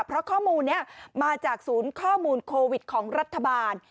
เพราะข้อมูลนี้มาจากศูนย์ข้อมูลโควิดของรัฐบาล